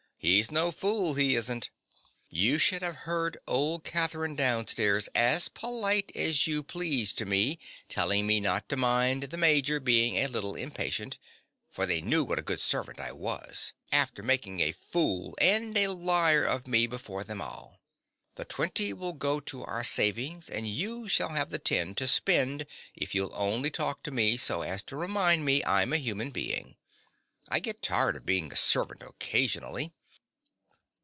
He's no fool, he isn't. You should have heard old Catherine downstairs as polite as you please to me, telling me not to mind the Major being a little impatient; for they knew what a good servant I was—after making a fool and a liar of me before them all! The twenty will go to our savings; and you shall have the ten to spend if you'll only talk to me so as to remind me I'm a human being. I get tired of being a servant occasionally.